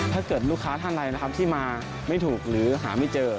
ถ้าเกิดลูกค้าท่านใดนะครับที่มาไม่ถูกหรือหาไม่เจอ